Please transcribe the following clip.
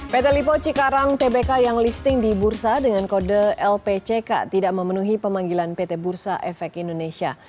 pt lipo cikarang tbk yang listing di bursa dengan kode lpck tidak memenuhi pemanggilan pt bursa efek indonesia